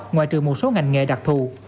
ngoài trừ một số ngành nghề đặc thù